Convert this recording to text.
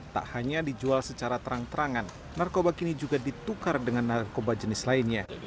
tak hanya dijual secara terang terangan narkoba kini juga ditukar dengan narkoba jenis lainnya